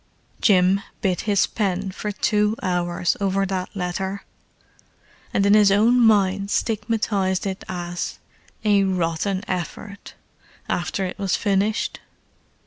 Jim bit his pen for two hours over that letter, and in his own mind stigmatized it as "a rotten effort," after it was finished.